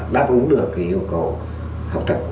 đáp ứng được cái yêu cầu học tập của cháu